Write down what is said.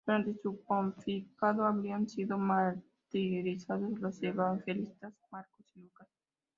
Durante su pontificado habrían sido martirizados los evangelistas Marcos y Lucas.